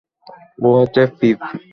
ও হচ্ছে পিপ।